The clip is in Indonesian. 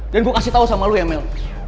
dan gue kasih tau sama lo ya mel